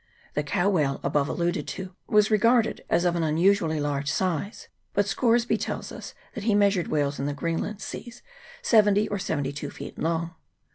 The cow whale above alluded to was regarded as of an unusually large size ; but Scoresby tells us that he measured whales in the Greenland seas seventy or seventy two feet long.